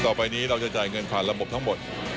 ต่อไปนี้เราจะจ่ายเงินผ่านระบบทั้งหมด